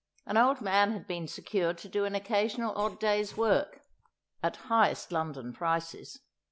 An old man had been secured to do an occasional odd day's work (at highest London prices).